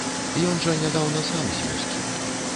Ён жа нядаўна сам з вёскі.